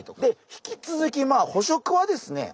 引き続きまあ捕食はですね